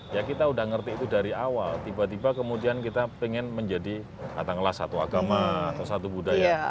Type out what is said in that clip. ya kita udah ngerti itu dari awal tiba tiba kemudian kita ingin menjadi kata ngelas satu agama atau satu budaya